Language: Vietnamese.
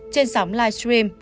trên sóng livestream